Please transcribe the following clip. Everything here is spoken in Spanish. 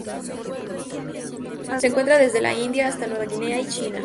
Se encuentra desde la India hasta Nueva Guinea y China.